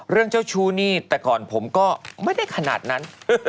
เจ้าชู้นี่แต่ก่อนผมก็ไม่ได้ขนาดนั้น